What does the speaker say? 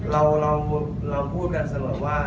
เราพูดกันสมมติว่า